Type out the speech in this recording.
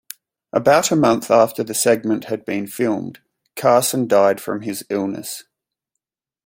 About a month after the segment had been filmed, Carson died from his illness.